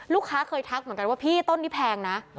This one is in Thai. เคยทักเหมือนกันว่าพี่ต้นนี้แพงนะ